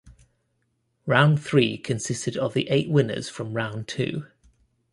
Round three consisted of the eight winners from Round two.